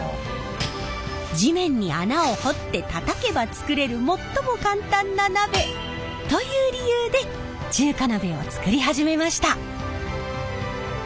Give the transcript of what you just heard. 地面に穴を掘ってたたけば作れる最も簡単な鍋。という理由で中華鍋を作り始めました。